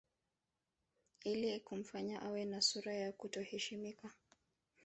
Ili kumfanya awe na sura ya kuto heshimika